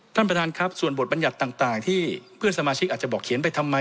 ท่านประธานครับส่วนบทบัญญัติต่างที่เพื่อนสมาชิกอาจจะบอกเขียนไปทำไม